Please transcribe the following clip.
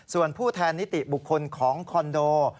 ส่วนผู้แทนนิติบุคคลของคอนโด